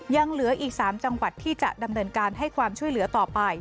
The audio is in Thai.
ยังเหลืออีก๓จังหวัดที่จะดำเนินการให้ความช่วยเหลือต่อไป